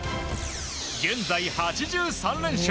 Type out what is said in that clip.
現在８３連勝。